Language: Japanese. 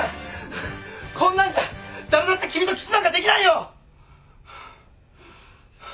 こんなんじゃ誰だって君とキスなんかできないよ！